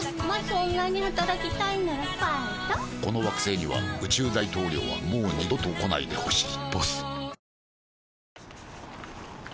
この惑星には宇宙大統領はもう二度と来ないでほしい「ＢＯＳＳ」